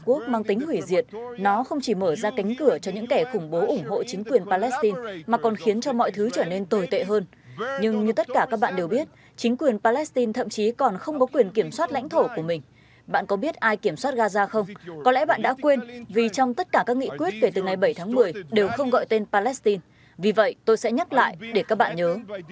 liên hợp quốc mang tính hủy diệt nó không chỉ mở ra cánh cửa cho những kẻ khủng bố ủng hộ chính quyền palestine mà còn khiến cho mọi thứ trở nên tồi tệ hơn nhưng như tất cả các bạn đều biết chính quyền palestine thậm chí còn không có quyền kiểm soát lãnh thổ của mình bạn có biết ai kiểm soát gaza không có lẽ bạn đã quên vì trong tất cả các nghị quyết kể từ ngày bảy tháng một mươi đều không gọi tên palestine vì vậy tôi sẽ nhắc lại để các bạn nhớ